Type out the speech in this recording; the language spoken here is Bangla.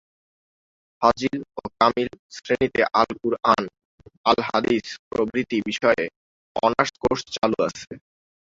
ফাজিল ও কামিল শ্রেণীতে আল কুরআন, আল হাদিস প্রভৃতি বিষয়ে অনার্স কোর্স চালু আছে।